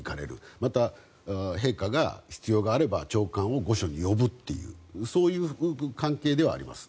また、陛下が必要があれば長官を御所に呼ぶというそういう関係ではあります。